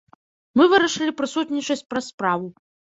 Мы вырашылі прысутнічаць праз справу.